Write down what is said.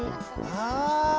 ああ！